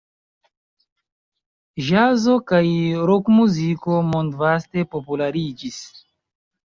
Ĵazo kaj rokmuziko mondvaste populariĝis.